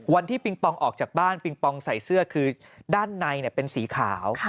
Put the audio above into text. ปิงปองออกจากบ้านปิงปองใส่เสื้อคือด้านในเป็นสีขาว